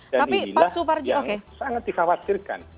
dan inilah yang sangat dikhawatirkan